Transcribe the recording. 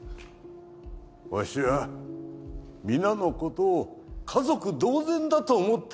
わしは皆のことを家族同然だと思っている。